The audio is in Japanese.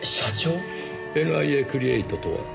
ＮＩＡクリエイトとは？